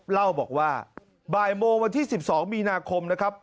เล่าบอกว่าบ่ายโมงวันที่๑๒มีนาคมนะครับ